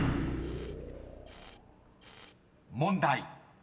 ［問題］